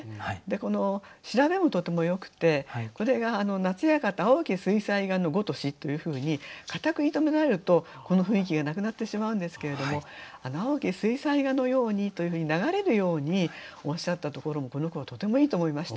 この調べもとてもよくてこれが「夏館青き水彩画の如し」というふうにかたく言い止められるとこの雰囲気がなくなってしまうんですけれども「青き水彩画のやうに」というふうに流れるようにおっしゃったところもこの句はとてもいいと思いました。